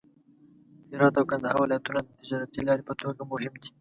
هرات او کندهار ولایتونه د تجارتي لارې په توګه مهم دي.